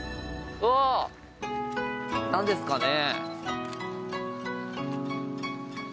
何ですかね？